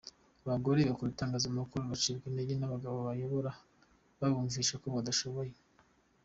Abagore bakora itangazamakuru bacibwa intege n’abagabo babayobora babumvisha ko badashoboye.